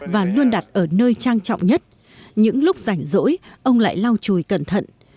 và luôn đặt ở nơi trang trọng nhất những lúc rảnh rỗi ông lại lau chùi cẩn thận